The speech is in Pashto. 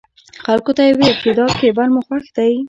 خلکو ته يې ويل چې دا کېبل مو خوښ دی.